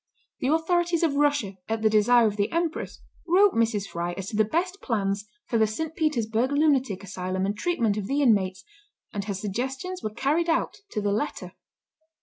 The authorities of Russia, at the desire of the Empress, wrote Mrs. Fry as to the best plans for the St. Petersburg lunatic asylum and treatment of the inmates, and her suggestions were carried out to the letter.